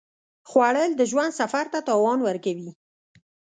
خوړل د ژوند سفر ته توان ورکوي